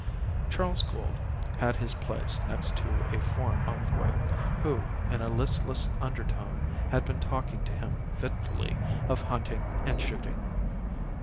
Charles Gould had his place next to a foreign envoy, who, in a listless undertone, had been talking to him fitfully of hunting and shooting.